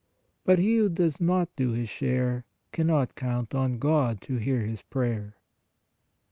But he who does not do his share, cannot count on God to hear his prayer.